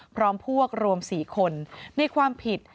พร้อมพวกรวม๔คนในความผิด